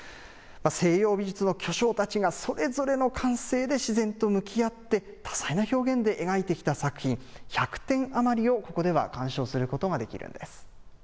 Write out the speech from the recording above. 西洋美術の巨匠たちが、それぞれの感性で自然と向き合って、多彩な表現で描いてきた作品、１００点余りをここでは鑑賞することができるんです。